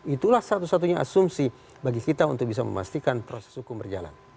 itulah satu satunya asumsi bagi kita untuk bisa memastikan proses hukum berjalan